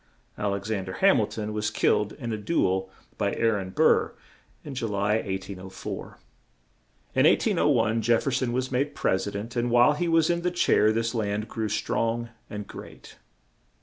Al ex an der Ham il ton was killed in a du el by Aa ron Burr in Ju ly, 1804. In 1801, Jef fer son was made Pres i dent; and while he was in the chair this land grew strong and great.